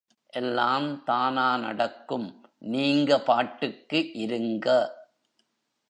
எல்லாந் தானா நடக்கும் நீங்கபாட்டுக்கு இருங்க.